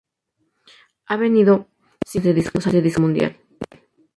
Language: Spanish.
Han vendido cinco millones de discos a nivel mundial.